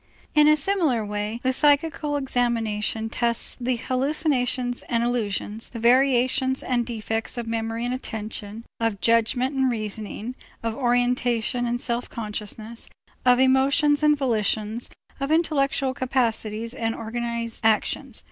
In a similar way the psychical examination tests the hallucinations and illusions, the variations and defects of memory and attention, of judgment and reasoning, of orientation and self consciousness, of emotions and volitions, of intellectual capacities and organized actions.